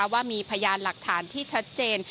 ว่ามีพยานหลักฐานที่ชัดเจน